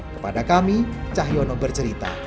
kepada kami cahyono bercerita